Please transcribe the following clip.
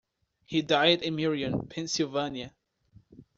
He died in Merion, Pennsylvania.